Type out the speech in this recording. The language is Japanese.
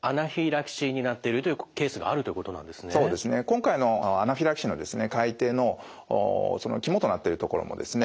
今回のアナフィラキシーの改訂の肝となってるところもですね